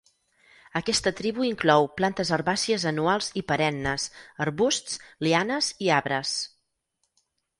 Aquesta tribu inclou plantes herbàcies anuals i perennes, arbusts, lianes i arbres.